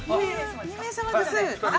２名様ですか？